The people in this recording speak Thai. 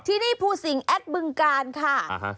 ที่นี่ภูสิงแอดบึงกาลค่ะ